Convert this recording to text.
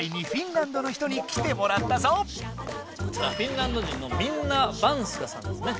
こちらフィンランド人のミンナヴァンスカさんですね。